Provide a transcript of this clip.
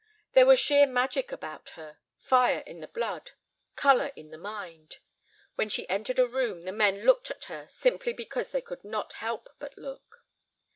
There was sheer magic about her, fire in the blood, color in the mind. When she entered a room the men looked at her, simply because they could not help but look.